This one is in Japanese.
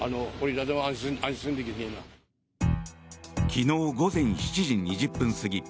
昨日午前７時２０分過ぎ